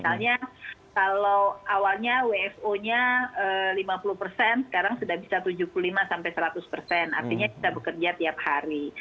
misalnya kalau awalnya wfo nya lima puluh persen sekarang sudah bisa tujuh puluh lima sampai seratus persen artinya kita bekerja tiap hari